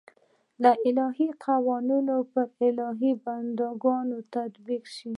الهي قوانین پر الهي بنده ګانو تطبیق شي.